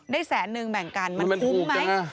แสนนึงแบ่งกันมันคุ้มไหม